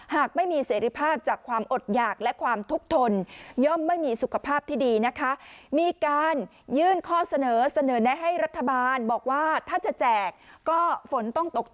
หากไม่มีเสร็จภาพจากความอดหยากและความทุกข์ทน